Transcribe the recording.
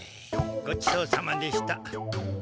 ごちそうさまでした。